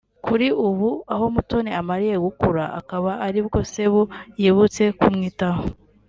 kuri ubu aho Mutoni amariye gukura akaba ari bwo Sebu yibutse kumwitaho